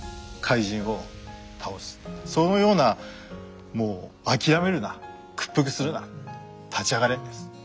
そのようなもう諦めるな屈服するな立ち上がれです。